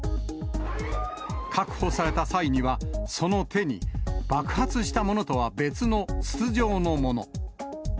確保された際には、その手に爆発したものとは別の筒状のもの。